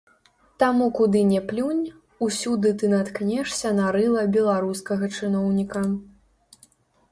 Таму куды не плюнь, усюды ты наткнешся на рыла беларускага чыноўніка.